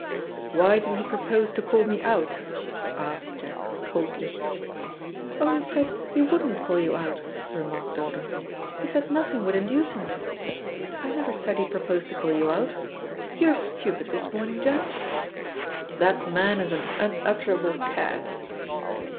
"Why did he propose to call me out?" asked Jack coldly. "Oh, he said he wouldn't call you out," remarked Dodo. "He said nothing would induce him to. I never said he proposed to call you out. You're stupid this morning, Jack." "That man is an unutterable cad."